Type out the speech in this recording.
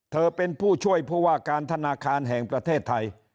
เธอเป็นผู้ช่วยผู้ว่าการธนาคารแห่งประเทศไทย